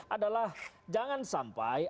adalah jangan sampai